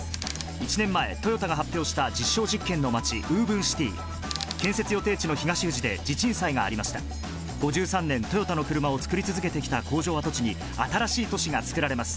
１年前トヨタが発表した実証実験の街ＷｏｖｅｎＣｉｔｙ建設予定地の東富士で地鎮祭がありました５３年トヨタのクルマを作り続けてきた工場跡地に新しい都市がつくられます